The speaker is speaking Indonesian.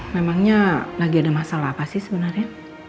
memangnya lagi ada masalah apa sih sebenarnya